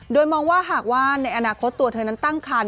โดยมองว่าหากว่าในอนาคตตัวเธอนั้นตั้งคัน